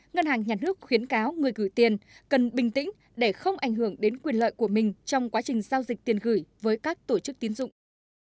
ngân hàng nhà nước khuyến cáo người gửi tiền cần bình tĩnh để không ảnh hưởng đến quyền lợi của mình trong quá trình giao dịch tiền gửi với các tổ chức tiến dụng